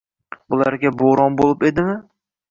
Bularga bo‘ron bo‘lib edimi?